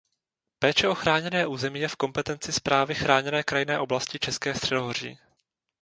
Péče o chráněné území je v kompetenci Správy Chráněné krajinné oblasti České středohoří.